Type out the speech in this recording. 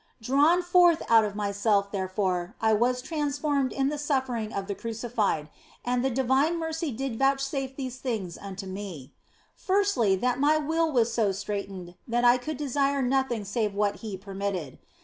Drawn forth out of myself, therefore, I was trans formed in the suffering of the Crucified, and the divine mercy did vouchsafe these things unto me : Firstly, that my will was so straitened that I could desire nothing save what He permitted.